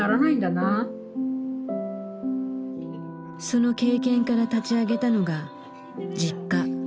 その経験から立ち上げたのがＪｉｋｋａ。